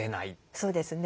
そうですね。